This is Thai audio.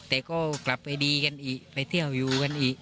แต่ก็กลับไปดีกันอีกไปเที่ยวอยู่กันอีก